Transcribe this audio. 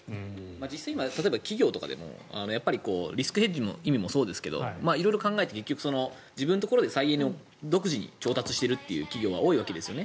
実際今、例えば、企業とかでもリスクヘッジの意味もそうですが色々考えて自分のところで再エネを独自で調達しているところも多いわけですね。